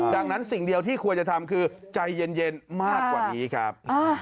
ดังนั้นสิ่งเดียวที่ควรจะทำคือใจเย็นมากกว่านี้ครับ